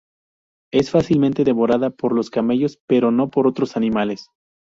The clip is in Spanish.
Es fácilmente devorada por los camellos, pero no por otros animales.